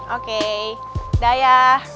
oke dah ya